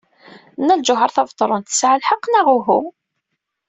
Nna Lǧuheṛ Tabetṛunt tesɛa lḥeqq, neɣ uhu?